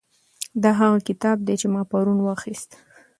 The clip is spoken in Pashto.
دا هغه کتاب دی چې ما پرون واخیست.